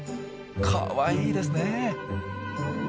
かわいいですねえ！